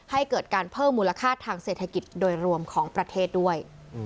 ให้เกิดการเพิ่มมูลค่าทางเศรษฐกิจโดยรวมของประเทศด้วย